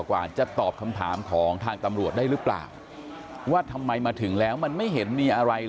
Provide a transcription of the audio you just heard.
ว่าทำไมมาถึงแล้วมันไม่เห็นมีอะไรเลย